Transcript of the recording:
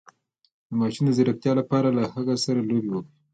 د ماشوم د ځیرکتیا لپاره له هغه سره لوبې وکړئ